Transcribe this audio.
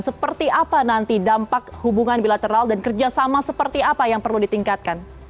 seperti apa nanti dampak hubungan bilateral dan kerjasama seperti apa yang perlu ditingkatkan